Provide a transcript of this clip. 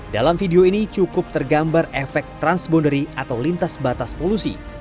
dalam video ini cukup tergambar efek transboundari atau lintas batas polusi